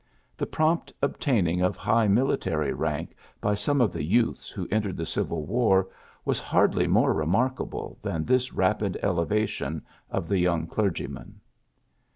The prompt obtaining of high military rank by some of the youths who entered the Civil War was hardly more remarkable than this rapid elevation of the young clergyman.